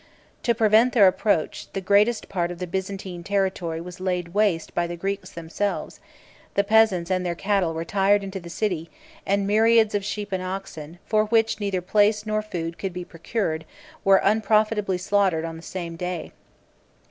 To prevent their approach, the greatest part of the Byzantine territory was laid waste by the Greeks themselves: the peasants and their cattle retired into the city; and myriads of sheep and oxen, for which neither place nor food could be procured, were unprofitably slaughtered on the same day.